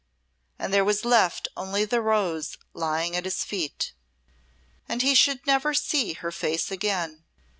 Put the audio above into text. And there was left only the rose lying at his feet. And he should never see her face again!